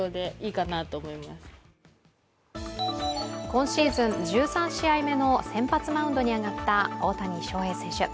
今シーズン１３試合目の先発マウンドに上がった大谷選手。